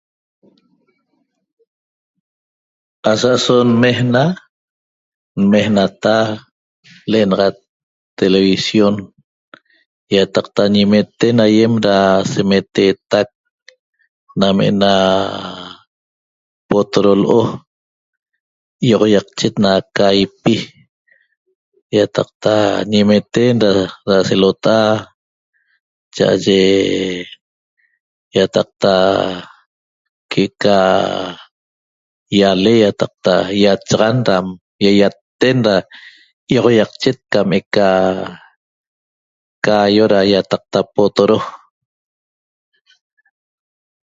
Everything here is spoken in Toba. Asa'aso nmejna nmejnata l'enaxat televisión ýataqta ñimeten aýem da semeteetac nam ena potodo l'o ýi'oxoýaqchet na caipi ýataqta ñimeten da selota'a cha'aye ýataqta que'eca ýale ýataqta ýachaxan dam ýaýaten da ýi'oxoiaqchet cam eca caaio da ýataqta potoro